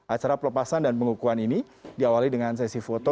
acara pelepasan dan pengukuhan ini diawali dengan sesi foto